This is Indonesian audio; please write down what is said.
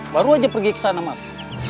baru aja pergi ke sana mas